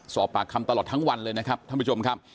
สอบปากคำตลอดทั้งวันเลยนะครับท่านผู้ชมครับ